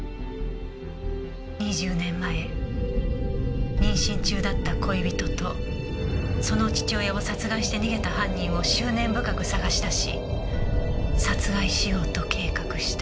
２０年前妊娠中だった恋人とその父親を殺害して逃げた犯人を執念深く捜し出し殺害しようと計画した。